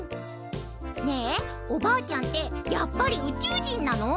ねえおばあちゃんってやっぱり宇宙人なの？